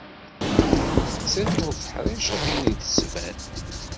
Nettat ur teḥṛic akken i d-tettban.